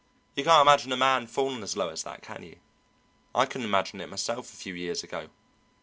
You can't imagine a man fallen as low as that, can you? I couldn't imagine it myself a few years ago.